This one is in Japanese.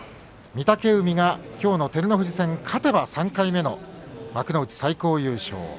御嶽海あきょうの照ノ富士戦勝てば３回目の幕内最高優勝。